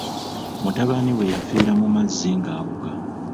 Mutabani we yafiira mu mazzi ng’awuga.